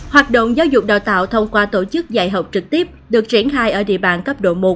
hoạt động giáo dục đào tạo thông qua tổ chức dạy học trực tiếp được triển khai ở địa bàn cấp độ một